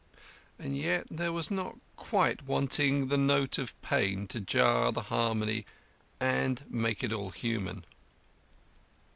And yet there was not quite wanting the note of pain to jar the harmony and make it human.